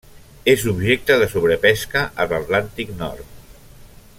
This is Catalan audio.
És objecte de sobrepesca a l'Atlàntic nord.